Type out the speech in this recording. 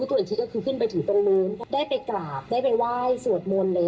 ตัวอีกทีก็คือขึ้นไปถึงตรงนู้นได้ไปกราบได้ไปไหว้สวดมนต์เลย